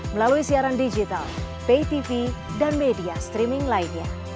melalui siaran digital pay tv dan media streaming lainnya